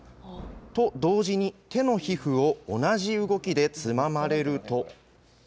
と同時に、手の皮膚を同じ動きでつままれると。